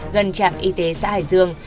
gần trạm y tế xã hải dương